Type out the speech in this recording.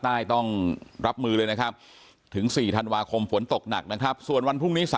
ต้องรับมือเลยนะครับถึง๔ธันวาคมฝนตกหนักนะครับส่วนวันพรุ่งนี้